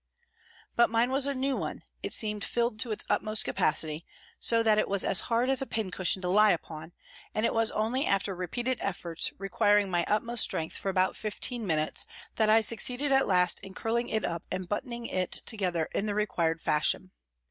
But mine was a new one, it seemed filled to its utmost capacity, so that it was as hard as a pincushion to lie upon, and it was only after repeated efforts, requiring my FROM THE CELLS 183 utmost strength for about fifteen minutes, that I succeeded at last in curling it up and buttoning it together in the required fashion.